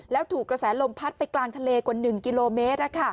แล้วถูกกระแสลมพัดไปกลางทะเลกว่า๑กิโลเมตร